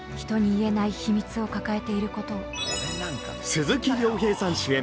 鈴木亮平さん主演。